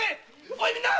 おいみんな！